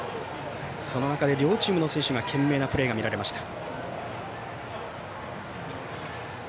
その中で、両チームの選手の懸命なプレーが見られました。